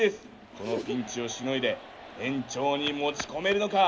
このピンチをしのいで延長に持ち込めるのか。